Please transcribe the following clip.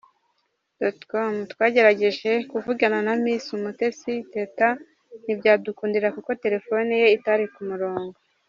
com twagerageje kuvugana na Miss Umutesi Teta ntibyadukundira kuko terefone ye itari ku murongo.